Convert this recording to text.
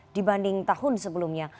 dibanding tahun sebelumnya